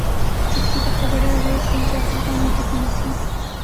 اس کی سب سے بڑی وجہ اس کی مسلسل کم ہوتی قیمت تھی